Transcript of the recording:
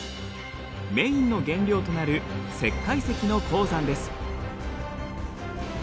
メインの原料となる石灰石の鉱山です。